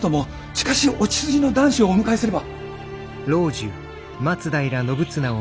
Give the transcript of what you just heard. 近しいお血筋の男子をお迎えすれば。